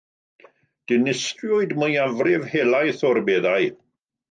Dinistriwyd mwyafrif helaeth o'r beddau.